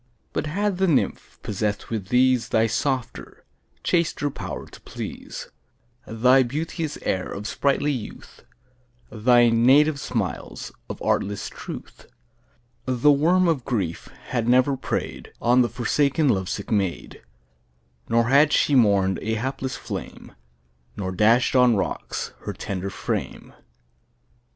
2 But had the nymph possess'd with these Thy softer, chaster power to please, Thy beauteous air of sprightly youth, Thy native smiles of artless truth 3 The worm of grief had never prey'd On the forsaken love sick maid; Nor had she mourn'd a hapless flame, Nor dash'd on rocks her tender frame.